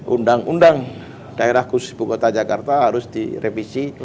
undang undang daerah khusus ibu kota jakarta harus direvisi